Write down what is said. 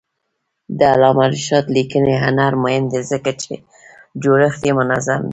د علامه رشاد لیکنی هنر مهم دی ځکه چې جوړښت یې منظم دی.